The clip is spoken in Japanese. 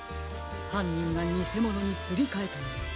はんにんがにせものにすりかえたのです。